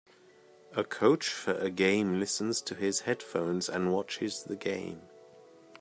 A coach for a game listens to his headphones and watches the game.